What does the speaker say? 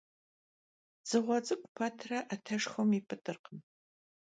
Dzığue ts'ık'ure pet 'eteşşxuem yip'ıt'ırkhım.